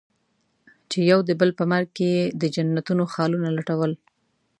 چې يو د بل په مرګ کې يې د جنتونو خالونه لټول.